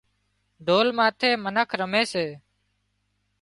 ڍول ماٿي منک رمي سي